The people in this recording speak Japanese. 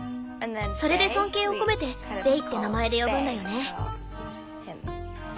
それで尊敬を込めてベイって名前で呼ぶんだよね。